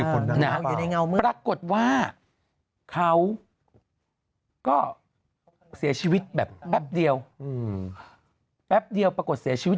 ปรากฏว่าเขาก็เสียชีวิตแบบแป๊บเดียวแป๊บเดียวปรากฏเสียชีวิต